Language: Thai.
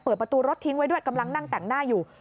ประตูรถทิ้งไว้ด้วยกำลังนั่งแต่งหน้าอยู่